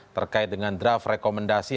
terkait dengan draft rekomendasi